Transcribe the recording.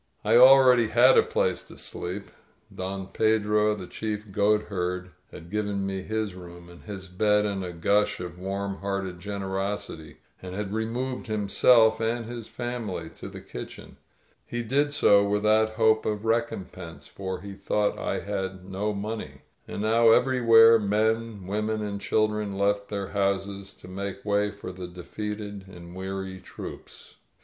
I already had a place to sleep. Don Pedro, the chief goatberd, had given me his room and his bed in a gush of warm hearted generosity, and had removed himself and his family to the kitchen. He did so without hope of recompense, for he thought I had no money. And now everywhere men, women and children left their houses to make way for the de feated and weary troops. 101 ••.